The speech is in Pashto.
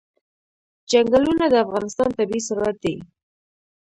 چنګلونه د افغانستان طبعي ثروت دی.